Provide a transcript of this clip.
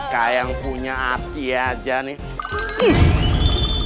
kayak yang punya hati aja nih